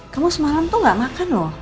kamu semalam tuh gak makan loh